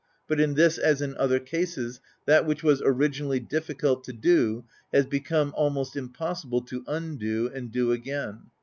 But in this, as in other cases, that which was originally difficult to do has become almost impossible to undo and do again.